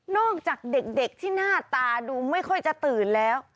จากเด็กที่หน้าตาดูไม่ค่อยจะตื่นแล้ว